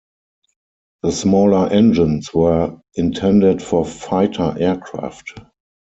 The smaller engines were intended for fighter aircraft.